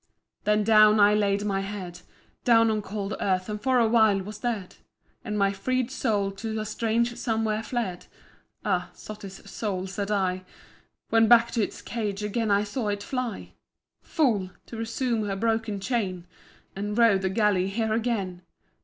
Then down I laid my head, Down on cold earth, and for a while was dead; And my freed soul to a strange somewhere fled! Ah! sottish soul! said I, When back to its cage again I saw it fly; Fool! to resume her broken chain, And row the galley here again!